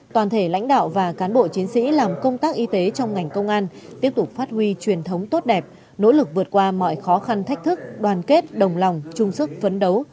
toàn thể lãnh đạo và cán bộ chiến sĩ làm công tác y tế trong ngành công an tiếp tục phát huy truyền thống tốt đẹp nỗ lực vượt qua mọi khó khăn thách thức đoàn kết đồng lòng chung sức phấn đấu